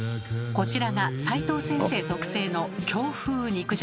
こちらが斉藤先生特製の京風肉じゃが。